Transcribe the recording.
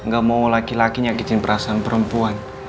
gak mau laki laki nyakitin perasaan perempuan